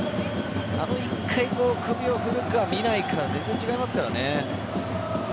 １回、首を振るか見ないか、全然違いますからね。